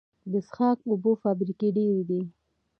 د څښاک اوبو فابریکې ډیرې دي